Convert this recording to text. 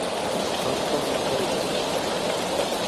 হাত তাঁর মাথার উপরে?